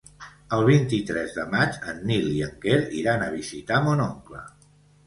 El vint-i-tres de maig en Nil i en Quer iran a visitar mon oncle.